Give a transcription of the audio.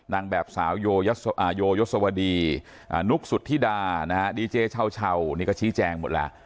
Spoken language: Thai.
นางแบบสาวโยยศวดีนุกสุธิดานะฮะดีเจเช่านี่ก็ชี้แจงหมดแล้ว